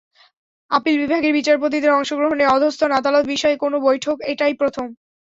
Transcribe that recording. Appeal বিভাগের বিচারপতিদের অংশগ্রহণে অধস্তন আদালত বিষয়ে কোনো বৈঠক এটাই প্রথম।